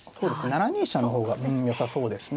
７二飛車の方がよさそうですね。